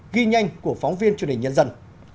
ghi nhanh của phóng viên truyền hình nhân dân